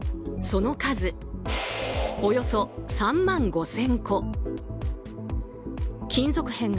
その数およそ３万５０００個。